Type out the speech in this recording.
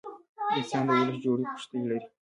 انسان دولس جوړي پښتۍ لري.